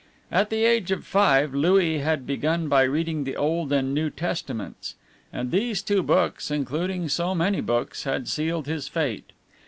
At the age of five Louis had begun by reading the Old and New Testaments; and these two Books, including so many books, had sealed his fate.